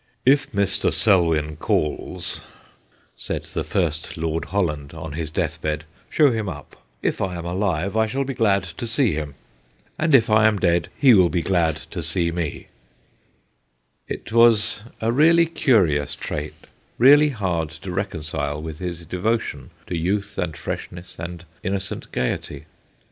' If Mr. Selwyn calls/ said the first Lord Holland, on his death bed, ' show him up : if I am alive, I shall be glad to see him, and if I am dead, he will be glad to see me/ It was a really curious trait, 234 THE GHOSTS OF PICCADILLY really hard to reconcile with his devotion to youth and freshness and innocent gaiety.